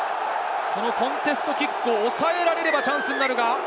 コンテストキックを抑えられればチャンスになるが。